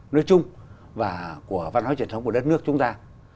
nói chung và của văn hóa truyền thống của đất nước chúng ta